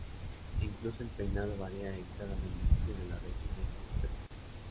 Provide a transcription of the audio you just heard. Incluso el peinado varía en cada municipio de la región de Tuxtepec.